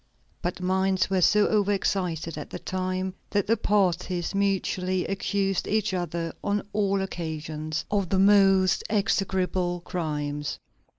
But minds were so overexcited at the time that the parties mutually accused each other, on all occasions, of the most execrable crimes.